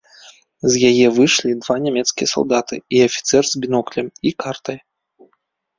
З яе выйшлі два нямецкія салдаты і афіцэр з біноклем і картай.